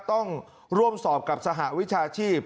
ต้องร่วมสอบกับสหวิชาชีพ